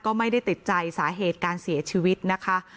ก็ไม่ได้ติดใจสาเหตุการเสียชีวิตนะคะ